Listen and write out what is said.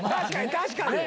確かに！